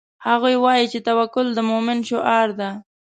هغوی وایي چې توکل د مومن شعار ده